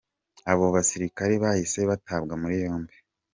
Abo basirikare bahise batabwa muri yombi.